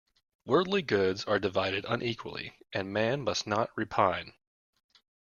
Worldly goods are divided unequally, and man must not repine.